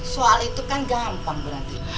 soal itu kan gampang bu ranti